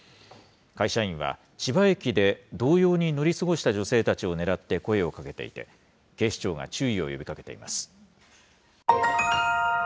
会社員は千葉駅で同様に乗り過ごした女性たちを狙って声をかけていて、警視庁が注意を呼びかけています。